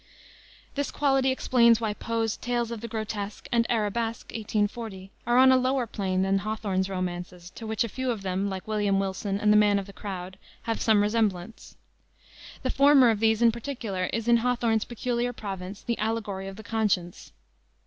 This quality explains why Poe's Tales of the Grotesque and Arabesque, 1840, are on a lower plane than Hawthorne's romances, to which a few of them, like William Wilson and the Man of the Crowd, have some resemblance. The former of these, in particular, is in Hawthorne's peculiar province, the allegory of the conscience.